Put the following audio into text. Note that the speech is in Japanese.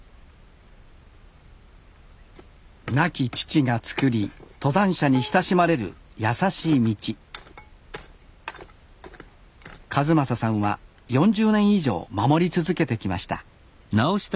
亡き父が作り登山者に親しまれるやさしい道一正さんは４０年以上守り続けてきました